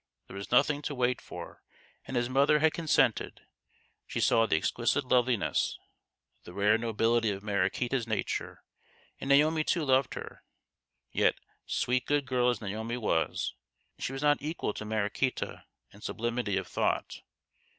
There was nothing to wait for ; and his mother had consented. She saw the exquisite loveli ness, the rare nobility of Mariquita's nature ; and Naomi too loved her. Yet, sweet good girl as Naomi was, she was not equal to Mariquita in sublimity of thought.